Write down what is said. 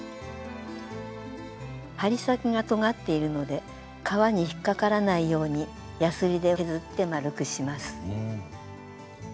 針先がとがっているので革に引っかからないようにやすりで削って丸くします。